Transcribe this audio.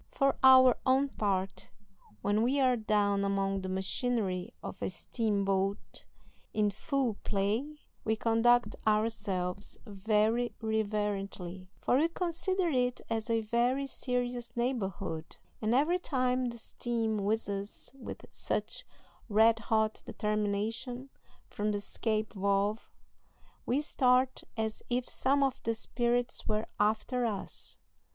For our own part, when we are down among the machinery of a steamboat in full play, we conduct ourselves very reverently, for we consider it as a very serious neighborhood, and every time the steam whizzes with such red hot determination from the escape valve, we start as if some of the spirits were after us.